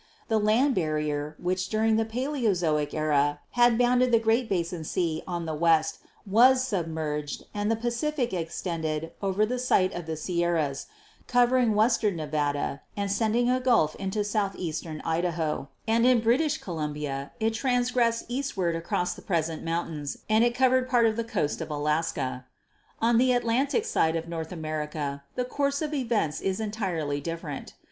The land barrier which during the Paleozoic era had bounded the Great Basin sea on the west was submerged and the Pacific extended over the site of the Sierras, covering western Nevada and sending a gulf into southeastern Idaho, and in British Columbia it transgressed eastward across the present mountains and it covered part of the coast of Alaska. "On the Atlantic side of North America the course of events was entirely different.